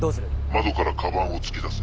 窓からカバンを突き出せ。